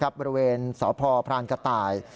บริเวณสพพรานกระต่าย